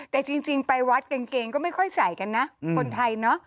แต่จริงไปวัดกางเกงก็ไม่ค่อยใส่กันนะคนไทยเนอะ